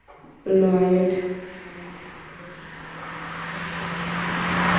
Lloyd Hansen একটা psycho.